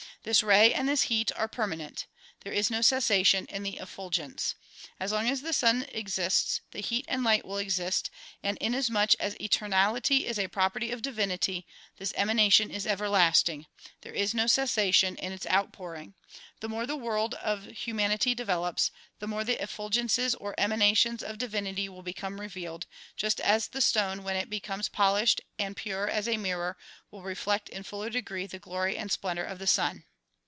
This ray and this heat are permanent. There is no cessation in the effulgence. As long as the sun exists the heat and light will exist, and inasmuch as etemality is a property of divinity, this emanation is everlasting. There is no cessation in its outpouring. The more the world of humanity develops, the more the effulgences or emanations of divinity will become revealed, just as the stone when it becomes polished and pure as a mirror will reflect in fuller degree the glory and splendor of the sun.